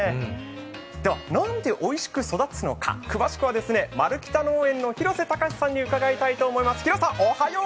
ではなんでおいしく育つのか、詳しくはマル北農園の廣瀬隆さんに伺いたいと思います。